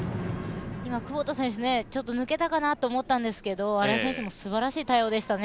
今、久保田選手、ちょっと抜けたかなと思ったんですけど、新井選手もすばらしい対応でしたね。